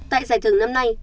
tại giải thưởng năm nay